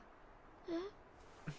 えっ？